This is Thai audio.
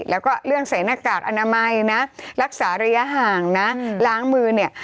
แล้วก็เรื่องใส่หน้ากากอนามัยนะรักษาระยะห่างนะล้างมือเนี่ย